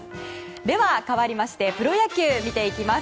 では、かわりましてプロ野球、見ていきます。